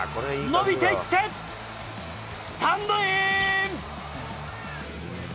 伸びていって、スタンドイン。